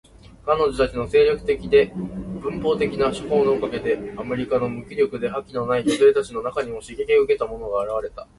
彼女たちの精力的で攻撃的な手法のおかげで、アメリカの無気力で覇気のない女性たちの中にも刺激を受けた者が現れた。